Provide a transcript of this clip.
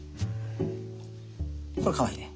これかわいいね。